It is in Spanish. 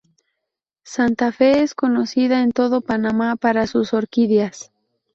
Santa Fe es conocida en todo Panamá para sus orquídeas.